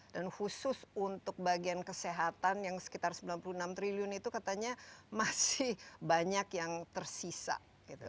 khusus untuk bagian kesehatan yang sekitar sembilan puluh enam triliun itu katanya masih banyak yang tersisa gitu